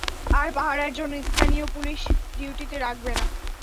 আর পাহারার জন্য স্থানীয় পুলিশ ডিউটিতে রাখবে না।